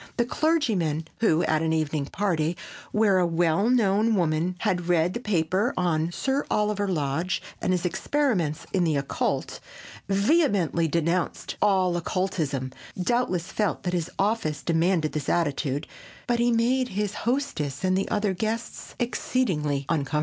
The clergyman who, at an evening party where a well known woman had read a paper on Sir Oliver Lodge and his experiments in the occult, vehemently denounced all occultism, doubtless felt that his office demanded this attitude, but he made his hostess and the other guests exceedingly uncomfortable.